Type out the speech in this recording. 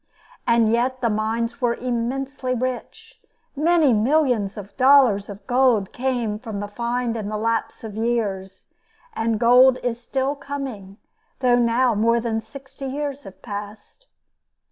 And yet the mines were immensely rich; many millions of dollars of gold came from the find in the lapse of years, and gold is still coming, though now more than sixty years have passed.